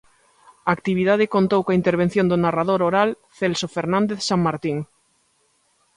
A actividade contou coa intervención do narrador oral Celso Fernández Sanmartín.